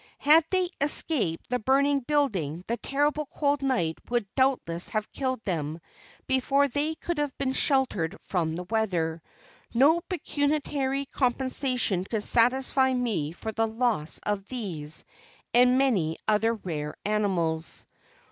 Had they escaped the burning building, the terrible cold night would doubtless have killed them before they could have been sheltered from the weather. No pecuniary compensation could satisfy me for the loss of these and many other rare animals.